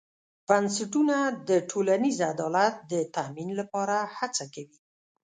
بنسټونه د ټولنیز عدالت د تامین لپاره هڅه کوي.